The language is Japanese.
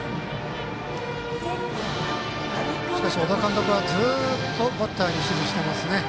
小田監督はずっとバッターに指示していますね。